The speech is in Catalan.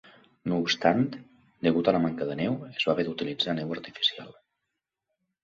No obstant, degut a la manca de neu, es va haver d'utilitzar neu artificial.